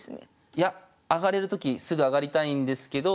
いや上がれるときすぐ上がりたいんですけど。